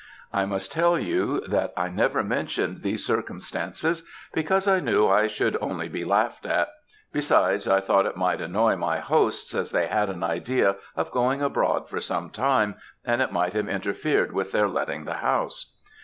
"I must tell you that I never mentioned these circumstances, because I knew I should only be laughed at; besides I thought it might annoy my hosts, as they had an idea of going abroad for some time, and it might have interfered with their letting the house.